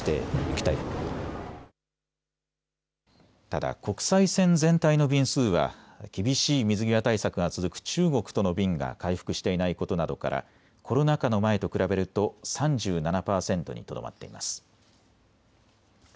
ただ国際線全体の便数は厳しい水際対策が続く中国との便が回復していないことなどからコロナ禍の前と比べると３７％にとどまっています。